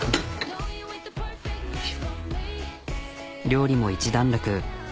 料理も一段落。